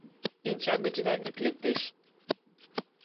Шинча гычда вӱд лектеш.